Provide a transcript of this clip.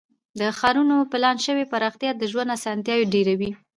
د ښارونو پلان شوې پراختیا د ژوند اسانتیاوې ډیروي.